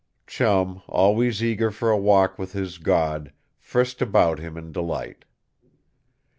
Chum, always eager for a walk with his god, frisked about him in delight.